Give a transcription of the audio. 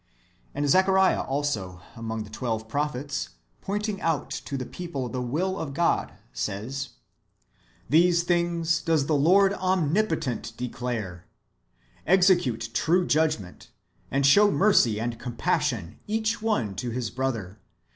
"* And Zechariah also, among the twelve prophets, pointing out to the people the will of God, says: ^' These things does the Lord Omnipotent declare : Execute true judgment, and show mercy and compassion each one to his brother.